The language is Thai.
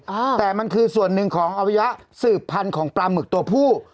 อ่าแต่มันคือส่วนหนึ่งของอวัยวะสืบพันธุ์ของปลาหมึกตัวผู้